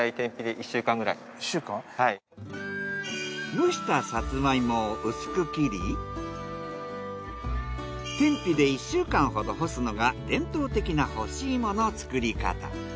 蒸したサツマイモを薄く切り天日で１週間ほど干すのが伝統的な干し芋の作り方。